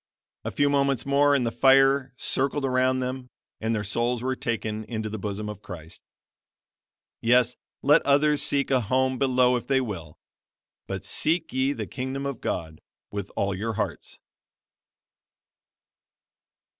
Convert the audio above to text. A few moments more and the fire circled around them, and their souls were taken into the bosom of Christ. Yes, let others seek a home below if they will, but seek ye the Kingdom of God with all your hearts.